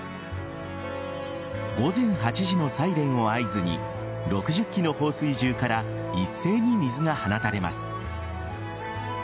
午前８時のサイレンを合図に６０基の放水銃から一斉に水が放たれます。